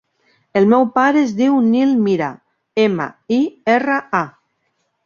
El meu pare es diu Nil Mira: ema, i, erra, a.